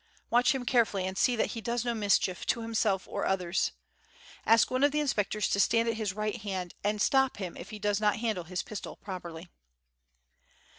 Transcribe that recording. Watch him carefully and see that he does no mischief to himself or others. Ask one of the inspectors to stand at his right hand, and stop him if he does not handle his pistol properly."